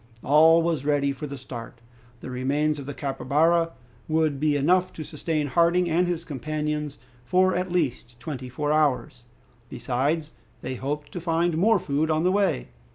All was ready for the start. The remains of the capybara would be enough to sustain Harding and his companions for at least twenty four hours. Besides, they hoped to find more food on the way.